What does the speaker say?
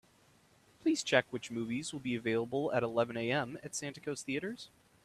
Please check which movies will be available at eleven A.M. at Santikos Theatres?